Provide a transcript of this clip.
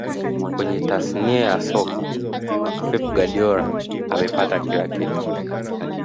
Kwenye tasnia ya soka pep guardiola amepata kila kitu